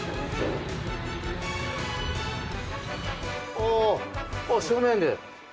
あっ、正面で。